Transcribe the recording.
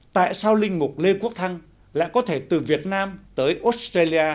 tại sao linh mục lê quốc thăng lại có thể từ việt nam tới australia